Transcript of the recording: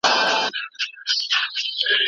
ټولنه بايد سياسي بنسټونو ته درناوی وکړي.